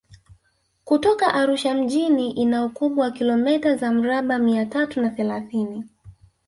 Kutoka Arusha mjini ina ukubwa wa kilometa za mraba mia tatu na thelathini